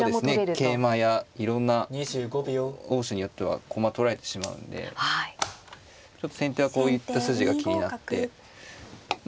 そうですね桂馬やいろんな応手によっては駒取られてしまうんでちょっと先手はこういった筋が気になってま